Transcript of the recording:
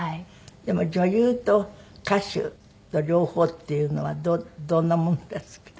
でも女優と歌手の両方っていうのはどんなもんですか？